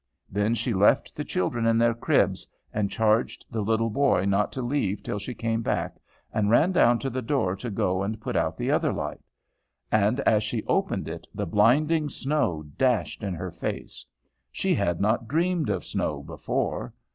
Then she left the children in their cribs, and charged the little boy not to leave till she came back, and ran down to the door to go and put out the other light, and as she opened it the blinding snow dashed in her face. She had not dreamed of snow before.